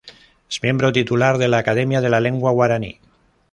Es miembro titular de la Academia de la Lengua Guarani.